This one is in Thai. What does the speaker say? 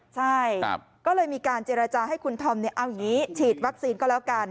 ใช่ก็เลยมีการเจรจาให้คุณธอมเอาอย่างนี้ฉีดวัคซีนก็แล้วกัน